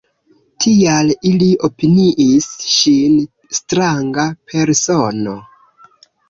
Tial ili opiniis ŝin stranga persono.